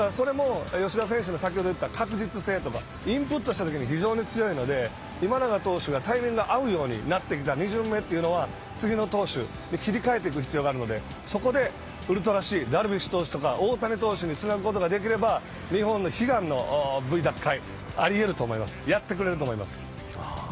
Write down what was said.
それも吉田選手の先ほど言った確実性とインプットしたときに非常に強いのでタイミングが合うようになってきた２巡目というのは次の投手切り替えていく必要があるのでそこでウルトラＣダルビッシュ投手とか大谷投手につなぐことできれば日本の悲願のＶ奪還